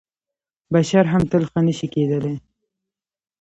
بشر هم تل ښه نه شي کېدلی .